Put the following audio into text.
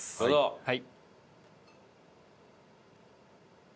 はい。